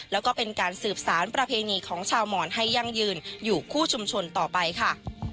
แล้วก็เป็นการสืบสารประเพณีของชาวหมอนให้ยั่งยืนอยู่คู่ชุมชนต่อไปค่ะ